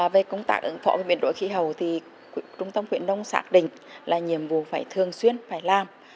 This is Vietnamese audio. về công tác ứng phó với biến đổi khí hậu thì trung tâm khuyến nông xác định là nhiệm vụ phải thường xuyên phải làm